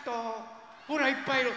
ほらいっぱいいる。